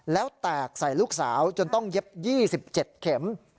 แล้วแตกใส่ลูกสาวจนต้องเย็บ๒๗เข็ม